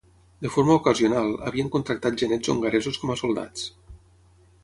De forma ocasional, havien contractat genets hongaresos com a soldats.